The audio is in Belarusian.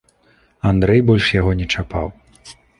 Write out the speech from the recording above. Андрэй больш яго не чапаў.